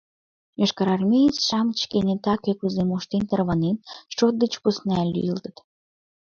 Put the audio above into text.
Йошкарармеец-шамыч кенета кӧ кузе моштен тарванен, шот деч посна лӱйылтыт.